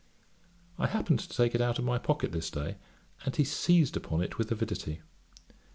I happened to take it out of my pocket this day, and he seized upon it with avidity.